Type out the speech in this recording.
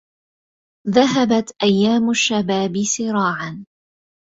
ذهبت ايام الشباب سراعا